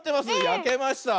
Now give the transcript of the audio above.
やけました。